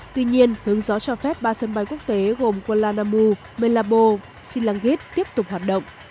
tuy nhiên hướng gió cho phép ba sân bay quốc tế gồm kuala lumpur melapur sinangit tiếp tục hoạt động